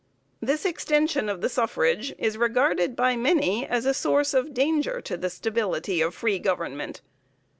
This extension of the suffrage is regarded by many as a source of danger to the stability of free government.